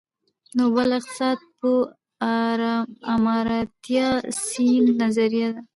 نوبل اقتصادپوه آمارتیا سېن نظريه ده.